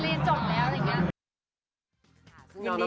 ซึ่งตานมันเรียนจบแล้วอย่างงี้